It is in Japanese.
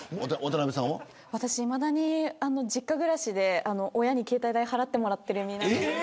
私、いまだに実家暮らしで親に携帯代払ってもらってる身なので。